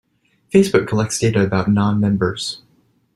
Facebook collects data about non-members.